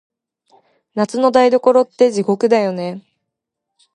夏の台所って、地獄だよね。